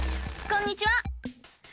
こんにちは！